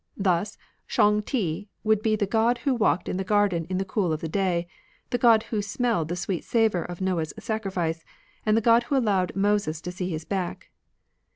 Thus Shang Ti would be the God who walked in the garden in the cool of the day, the God who smelled the sweet savour of Noah's sacrifice, and the God who allowed Moses to see His back.